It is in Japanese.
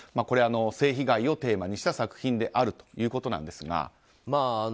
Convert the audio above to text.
これは、性被害をテーマにした作品であるということですが。